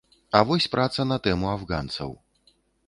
А вось праца на тэму афганцаў.